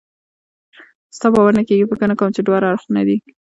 ستا باور نه کېږي؟ فکر نه کوم چې دواړه اړخونه دې.